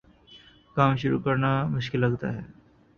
کام شروع کرنا مشکل لگتا ہے